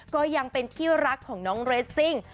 ก็ยังเป็นที่รักของน้องเรสซิ่ง